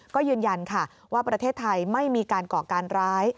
ก็ยืนยันค่ะว่าประเทศไทยไม่มีการก่อการร้าย